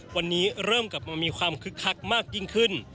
วันนี้เริ่มกลับมามีความคึกคักมากยิ่งขึ้น